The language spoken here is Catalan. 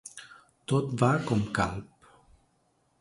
Tot va com Calp.